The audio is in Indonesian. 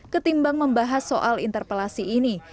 ketimbang membahas soal interpelasi ini